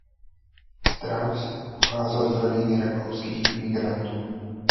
Strauss pocházel z rodiny rakouských imigrantů.